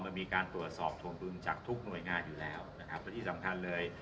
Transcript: มันมีการตรวจสอบทวงดุลจากทุกหน่วยงานอยู่แล้วนะครับและที่สำคัญเลย